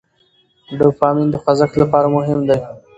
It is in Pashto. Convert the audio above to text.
ډوپامین د خوځښت لپاره مهم دی.